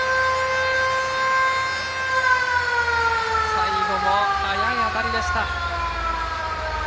最後も速い当たりでした。